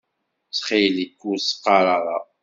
Ttxil-k ur s-qqaṛ ara.